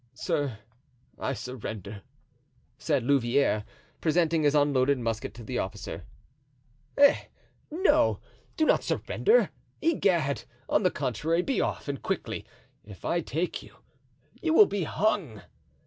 "Sir, I surrender," said Louvieres, presenting his unloaded musket to the officer. "Eh, no! do not surrender, egad! On the contrary, be off, and quickly. If I take you, you will be hung!"